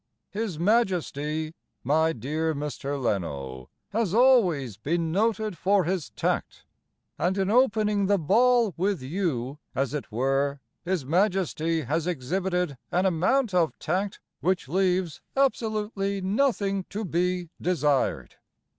His Majesty, My dear Mr. Leno, Has always been noted for his tact, And in opening the ball with you, as it were, His Majesty has exhibited an amount of tact Which leaves absolutely nothing to be desired.